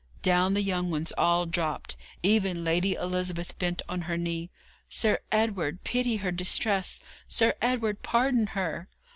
Down the young ones all dropped; even Lady Elizabeth bent on her knee. 'Sir Edward, pity her distress! Sir Edward pardon her!'